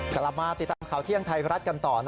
กลับมาติดตามข่าวเที่ยงไทยรัฐกันต่อ